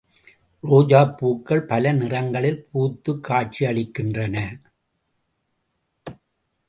ரோஜாப்பூக்கள் பல நிறங்களில் பூத்துக் காட்சியளிக்கின்றன.